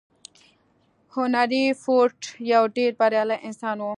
هنري فورډ يو ډېر بريالی انسان و.